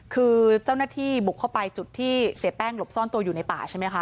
คือเจ้าหน้าที่บุกเข้าไปจุดที่เสียแป้งหลบซ่อนตัวอยู่ในป่าใช่ไหมคะ